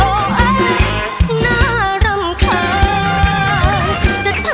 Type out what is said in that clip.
อยากแต่งานกับเธออยากแต่งานกับเธอ